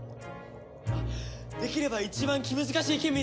あっできれば一番気難しいケミーと。